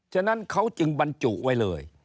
ฉะนั้นเขาจึงบรรจุไว้เลย